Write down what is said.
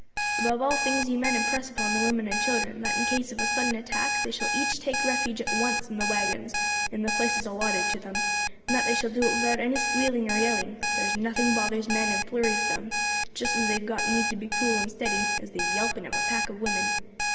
Above all things you men impress upon the women and children that in case of a sudden attack they shall each take refuge at once in the waggons, in the places allotted to them, and that they shall do it with out any squealing or yelling; there's nothing bothers men and flurries them, just as they have got need to be cool and steady, as the yelping of a pack of women.